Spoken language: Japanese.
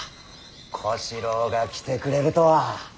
小四郎が来てくれるとは。